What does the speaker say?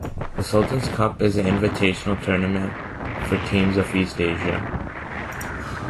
The Sultan's Cup is an invitational tournament for teams of East Asia.